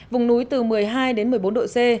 vùng núi từ một mươi hai đến một mươi bốn độ c